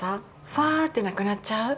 ファってなくなっちゃう。